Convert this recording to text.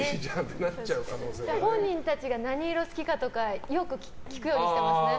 本人たちが何色好きかとかよく聞くようにしてますね。